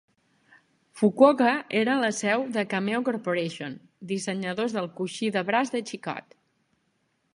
Fukuoka era la seu de Kameo Corporation, dissenyadors del "coixí de braç de xicot".